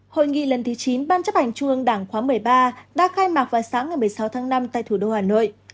hội nghị lần thứ chín ban chấp hành trung ương đảng khóa một mươi ba đã khai mạc vào sáng ngày một mươi sáu tháng năm tại thủ đô hà nội